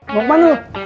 mau kemana lu